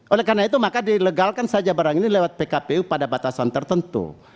oleh karena itu maka dilegalkan saja barang ini lewat pkpu pada batasan tertentu